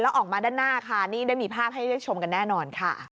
แล้วออกมาด้านหน้าค่ะนี่ได้มีภาพให้ได้ชมกันแน่นอนค่ะ